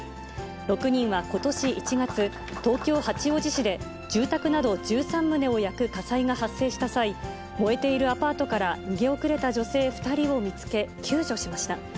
６人はことし１月、東京・八王子市で、住宅など１３棟を焼く火災が発生した際、燃えているアパートから逃げ遅れた女性２人を見つけ、救助しました。